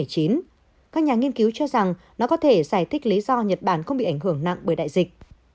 các nhà nghiên cứu cho rằng nó có thể giải thích lý do nhật bản không bị ảnh hưởng nặng bởi đại dịch